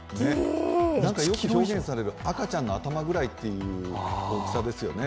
よく表現されるのは、赤ちゃんの頭ぐらいという大きさですよね。